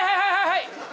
はい！